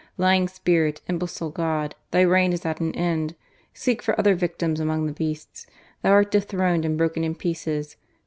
Lying spirit, imbecile God, Thy reign is at an end! Seek for other victims among the beasts ! Thou art dethroned and broken in pieces.